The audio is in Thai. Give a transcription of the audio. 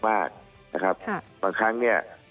บางครั้งเนี่ย